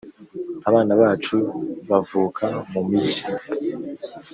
Abana bacu bavuka mumigi.